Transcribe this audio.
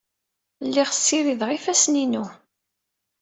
Lliɣ ssirideɣ ifassen-inu.